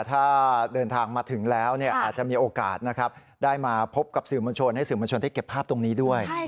ถ้าเดินทางมาถึงแล้วอาจจะมีโอกาสนะครับได้มาพบกับสื่อมวลชนให้สื่อมวลชนได้เก็บภาพตรงนี้ด้วย